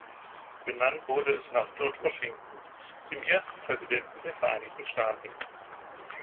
Benannt wurde es nach George Washington, dem ersten Präsidenten der Vereinigten Staaten.